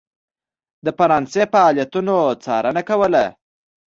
د فرانسې فعالیتونو څارنه کوله.